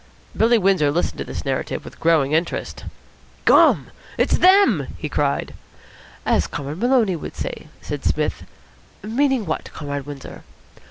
Billy Windsor listened to this narrative with growing interest. "Gum! it's them!" he cried. "As Comrade Maloney would say," said Psmith, "meaning what, Comrade Windsor?"